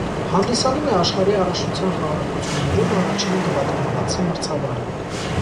Հանդիսանում է աշխարհի առաջնության խաղարկություններում առաջին գվատեմալացի մրցավարը։